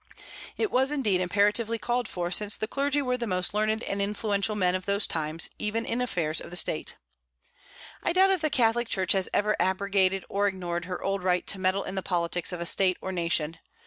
It was indeed imperatively called for, since the clergy were the most learned and influential men of those times, even in affairs of state. I doubt if the Catholic Church has ever abrogated or ignored her old right to meddle in the politics of a state or nation.